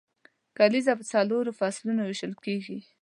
کلیزه په څلورو فصلو ویشل کیږي.